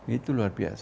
itu luar biasa